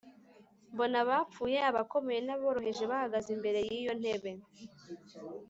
Mbona abapfuye, abakomeye n’aboroheje bahagaze imbere y’iyo ntebe,